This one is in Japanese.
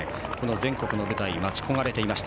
全国の舞台待ち焦がれていました。